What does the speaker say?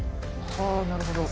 あなるほど。